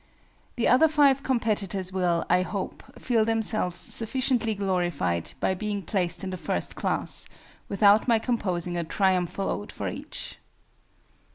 The other five competitors will, I hope, feel themselves sufficiently glorified by being placed in the first class, without my composing a Triumphal Ode for each!